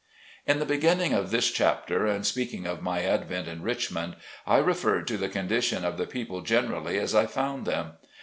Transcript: In beginning this chapter, and speaking of my advent in Richmond, I referred to the condition of the people generally as I found them.